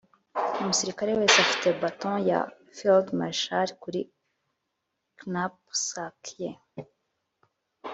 umusirikare wese afite baton ya field marshal muri knapsack ye